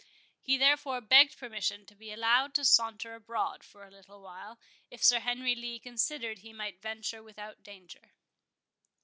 He therefore begged permission to be allowed to saunter abroad for a little while, if Sir Henry Lee considered he might venture without danger.